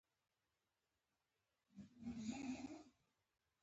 پاچا سره د وطن ټول واک وي .